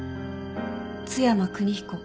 津山邦彦。